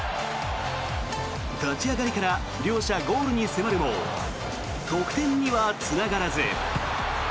立ち上がりから両者、ゴールに迫るも得点にはつながらず。